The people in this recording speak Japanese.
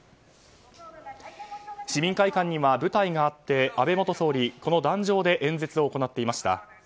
市民会館には舞台があって安倍元総理、この壇上で演説を行っていました。